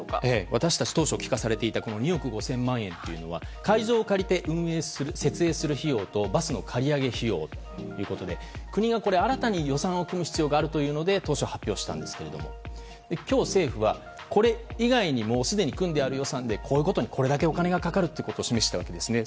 私たち当初聞かされていた２億５０００万円というのは会場を借りて説明する費用とバスの借り上げ費用ということで国が新たに予算を組む必要があるということで当初発表したんですけど今日政府はこれ以外にもすでに組んである予算でこういうことにお金がかかるということを示したわけですね。